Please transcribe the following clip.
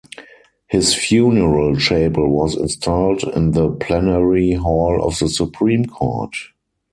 His funeral chapel was installed in the plenary hall of the Supreme Court.